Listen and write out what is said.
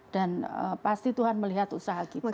dan pasti tuhan melihat usaha kita ya